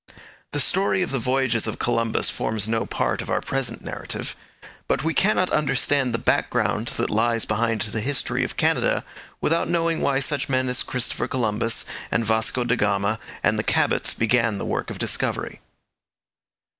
The story of the voyages of Columbus forms no part of our present narrative. But we cannot understand the background that lies behind the history of Canada without knowing why such men as Christopher Columbus and Vasco da Gama and the Cabots began the work of discovery.